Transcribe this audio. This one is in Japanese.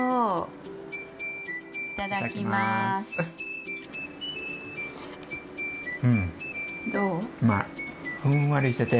うん。どう？